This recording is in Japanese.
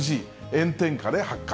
炎天下で発火。